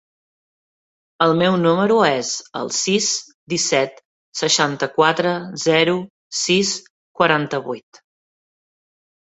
El meu número es el sis, disset, seixanta-quatre, zero, sis, quaranta-vuit.